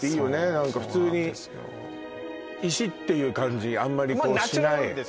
何か普通に石っていう感じあんまりしないまあ